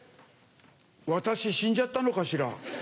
私死んじゃったのかしら？